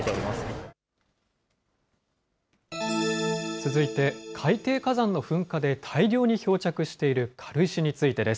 続いて、海底火山の噴火で大量に漂着している軽石についてです。